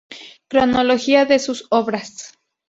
Cronología de sus obras